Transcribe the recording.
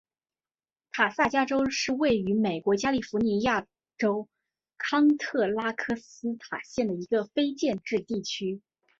塔萨加拉是位于美国加利福尼亚州康特拉科斯塔县的一个非建制地区。